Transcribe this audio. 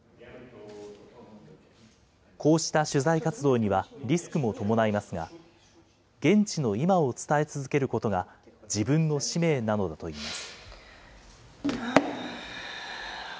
こうした取材活動にはリスクも伴いますが、現地の今を伝え続けることが、自分の使命なのだといいます。